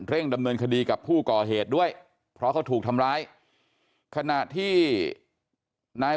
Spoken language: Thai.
เร่งดำเนินคดีกับผู้ก่อเหตุด้วยเพราะเขาถูกทำร้าย